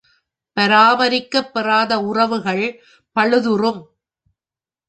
பராமரிக்கப் பெறாத உறவுகள் பழுதுறும்.